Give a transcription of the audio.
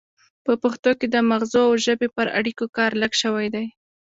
په پښتو کې د مغزو او ژبې پر اړیکو کار لږ شوی دی